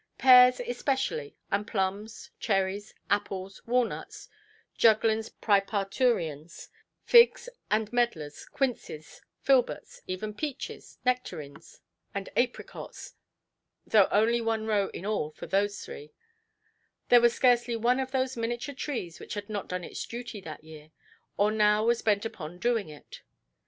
Pears especially, and plums, cherries, apples, walnuts (juglans præparturiens), figs, and medlars, quinces, filberts, even peaches, nectarines, and apricots—though only one row, in all, of those three; there was scarcely one of those miniature trees which had not done its duty that year, or now was bent upon doing it.